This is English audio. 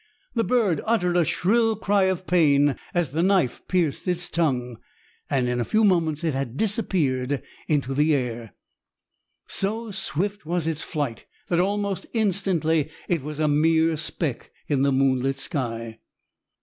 The bird uttered a shrill cry of pain as the knife pierced its tongue, and in a few moments it had disappeared in the air. So swift was its flight that almost instantly it was a mere speck in the moonlit sky.